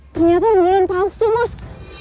ternyata ambulan palsu bos